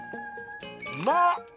うまっ！